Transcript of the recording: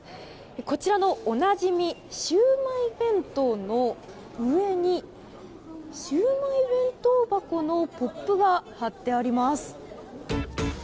こちらのおなじみシウマイ弁当の上にシウマイ弁当箱のポップが貼ってあります。